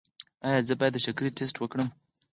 ایا زه باید د شکر ټسټ وکړم؟